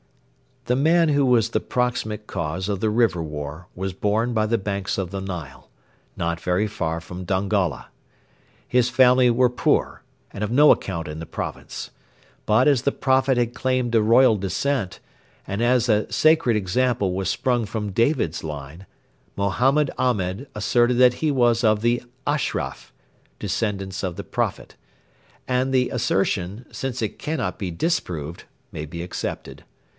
The man who was the proximate cause of the River War was born by the banks of the Nile, not very far from Dongola. His family were poor and of no account in the province. But as the Prophet had claimed a royal descent, and as a Sacred Example was sprung from David's line, Mohammed Ahmed asserted that he was of the 'Ashraf,'(descendants of the Prophet) and the assertion, since it cannot be disproved, may be accepted.